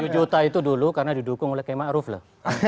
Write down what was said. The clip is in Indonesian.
tujuh juta itu dulu karena didukung oleh km a'ruf lah